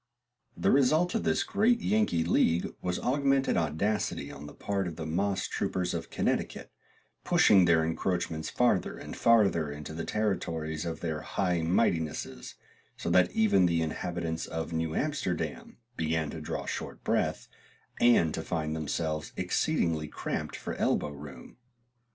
The result of this great Yankee league was augmented audacity on the part of the moss troopers of Connecticut, pushing their encroachments farther and farther into the territories of their High Mightinesses, so that even the inhabitants of New Amsterdam began to draw short breath, and to find themselves exceedingly cramped for elbow room.